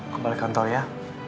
kembali ke kantor ya